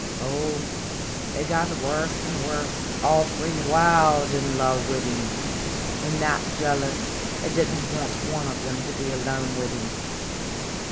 Oh, they got worse an* worse all three wild in love wid him, an 7 that jealous they did n't want one of them to be alone wid him.